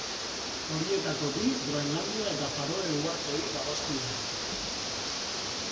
Horietako bi Groenlandia eta Faroe Uharteei dagozkienak.